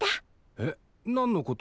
えっ？何のこと？